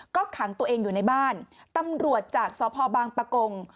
ก็ขังตัวเองอยู่ในบ้านตำรวจจากสพบางปะกง